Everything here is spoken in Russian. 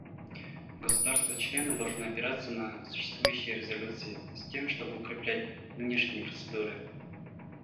Государства-члены должны опираться на существующие резолюции, с тем чтобы укреплять нынешние процедуры.